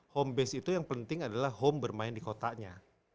home base itu yang penting adalah home bermain di kotanya